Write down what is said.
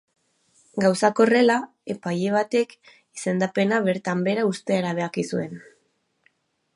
Gauzak horrela, epaile batek izendapena bertan behera uztea erabaki zuen.